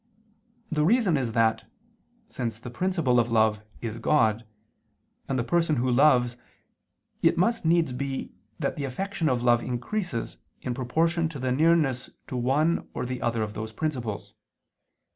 The reason is that, since the principle of love is God, and the person who loves, it must needs be that the affection of love increases in proportion to the nearness to one or the other of those principles.